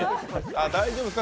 大丈夫ですか？